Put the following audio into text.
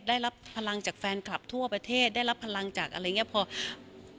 ได้รับพลังจากแฟนคลับทั่วประเทศได้รับพลังจากอะไรอย่างนี้พอ